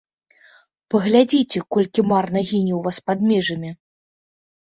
Паглядзіце, колькі марна гіне ў вас пад межамі!